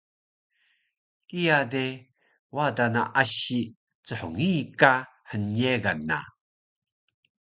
kiya de wada na asi chngii ka hnyegan na